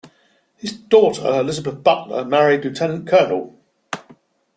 His daughter, Elizabeth Butler, married Lt.-Col.